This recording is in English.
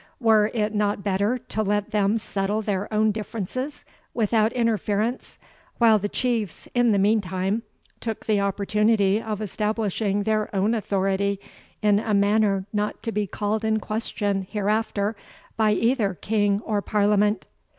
Were it not better to let them settle their own differences without interference, while the Chiefs, in the meantime, took the opportunity of establishing their own authority in a manner not to be called in question hereafter by either King or Parliament?"